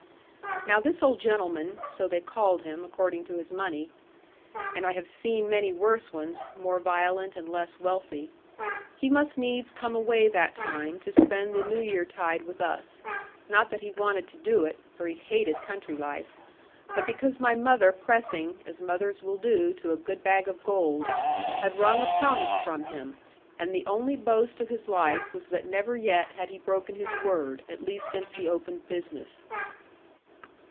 Now this old gentleman so they called him, according to his money; and I have seen many worse ones, more violent and less wealthy he must needs come away that time to spend the New Year tide with us; not that he wanted to do it (for he hated country life), but because my mother pressing, as mothers will do to a good bag of gold, had wrung a promise from him; and the only boast of his life was that never yet had he broken his word, at least since he opened business.